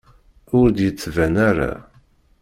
Ur d-yettban ara.